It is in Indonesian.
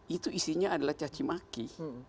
itu istrinya adalah cacimaki